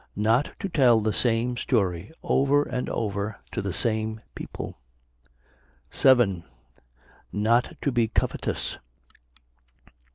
Not to tell the same story over and over to the same people. 7. Not to be covetous.